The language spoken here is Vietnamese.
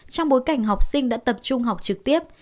trong bối cảnh học sinh đã tập trung học trực tiếp